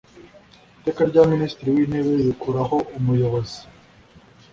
Iteka rya Minisitiri w ‘Intebe rikuraho umuyobozi.